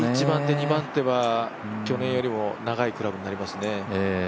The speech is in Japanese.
１番手、２番手は去年より長いものになりますね。